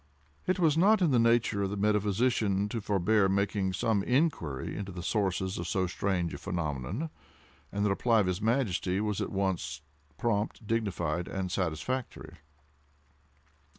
It was not in the nature of the metaphysician to forbear making some inquiry into the sources of so strange a phenomenon, and the reply of his Majesty was at once prompt, dignified, and satisfactory.